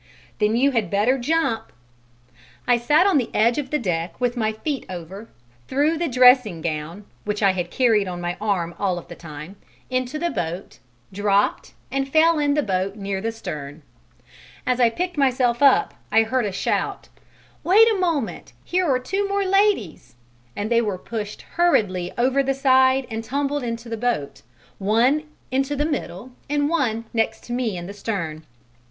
"Then you had better jump." I sat on the edge of the deck with my feet over, threw the dressing gown (which I had carried on my arm all of the time) into the boat, dropped, and fell in the boat near the stern. As I picked myself up, I heard a shout: "Wait a moment, here are two more ladies," and they were pushed hurriedly over the side and tumbled into the boat, one into the middle and one next to me in the stern.